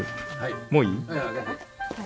もういい？